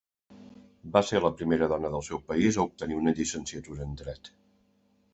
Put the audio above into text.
Va ser la primera dona del seu país a obtenir una llicenciatura en dret.